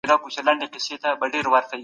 دغه مڼه ډېره سره او ښکلې ده.